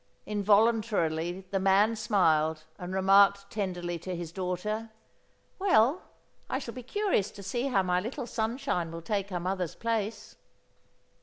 Involuntarily the man smiled and remarked tenderly to his daughter: "Well I shall be curious to see how my little sunshine will take her mother's place."